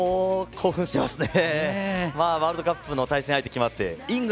興奮してますね。